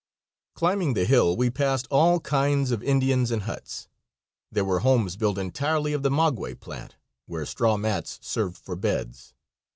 Climbing the hill we passed all kinds of Indians and huts. There were homes built entirely of the maguey plant, where straw mats served for beds.